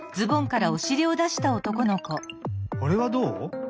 これはどう？